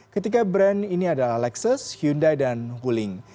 ketiga brand ini adalah lexus hyundai dan huling